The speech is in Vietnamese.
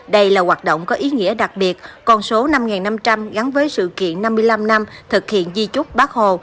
đây là hoạt động có ý nghĩa đặc biệt con số năm năm trăm linh gắn với sự kiện năm mươi năm năm thực hiện di trúc bác hồ